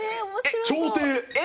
朝廷！